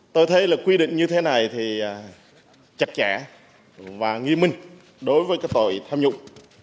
tôi thấy là quy định như thế này thì chặt chẽ và nghi minh đối với các tội tham nhũng